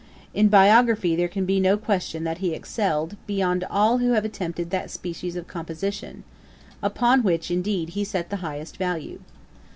In biography there can be no question that he excelled, beyond all who have attempted that species of composition; upon which, indeed, he set the highest value.